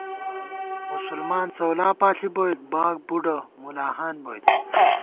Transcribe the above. مسلمان څؤلا پاݪی بوئیک باب بُڈہ مُلاہان بوئیت